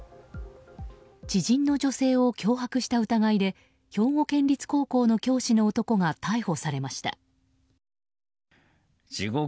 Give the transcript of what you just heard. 知人の女性を脅迫した男で兵庫県立高校の教師の男が逮捕されました。